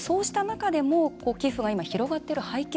そうした中でも寄付が広がっている背景